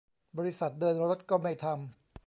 บริษัทเดินรถก็ไม่ทำ